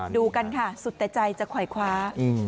ดูกันค่ะสุดแต่ใจจะคอยคว้า